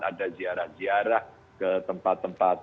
ada ziarah ziarah ke tempat tempat